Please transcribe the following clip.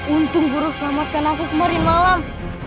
untung guru selamatkan aku kemari malam